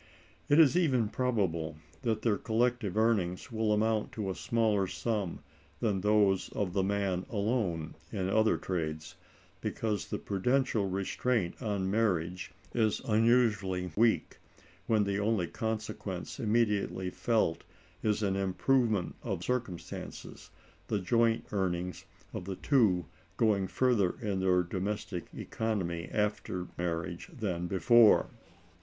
It is even probable that their collective earnings will amount to a smaller sum than those of the man alone in other trades, because the prudential restraint on marriage is unusually weak when the only consequence immediately felt is an improvement of circumstances, the joint earnings of the two going further in their domestic economy after marriage than before.